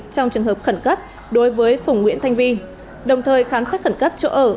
trong trường hợp khẩn cấp đối với phùng nguyễn thanh vi đồng thời khám xét khẩn cấp chỗ ở